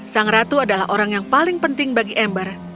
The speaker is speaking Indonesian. sang ratu adalah orang yang paling penting bagi ember